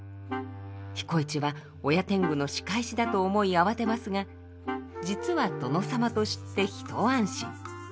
彦市は親天狗の仕返しだと思い慌てますが実は殿様と知って一安心。